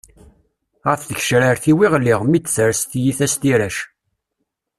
Ɣef tgecrar-iw i ɣliɣ, mi d-tres tyita s tirac.